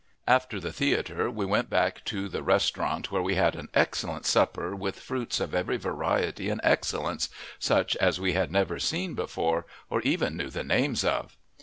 After the theatre, we went back to the restaurant, where we had an excellent supper, with fruits of every variety and excellence, such as we had never seen before, or even knew the names of.